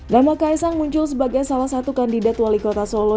nama kaisang muncul sebagai salah satu kandidat wali kota solo